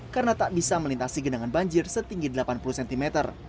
karena tak bisa melintasi genangan banjir setinggi delapan puluh cm